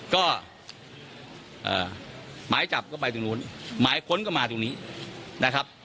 ก็หมายจับก็ไปตรงนู้นหมายค้นก็มาตรงนี้นะครับ